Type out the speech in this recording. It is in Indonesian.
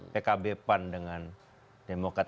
sehingga semua yang diperlukan